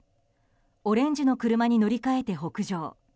オレンジの車に乗り換えて北上。